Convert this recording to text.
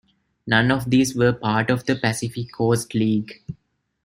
None of these were part of the Pacific Coast League.